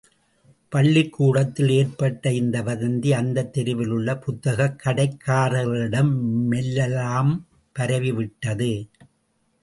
பள்ளிக்கூடத்தில் ஏற்பட்ட இந்த வதந்தி, அந்தத் தெருவில் உள்ள புத்தகக் கடைக்காரர்களிடமெல்லாம் பரவிவிட்டது.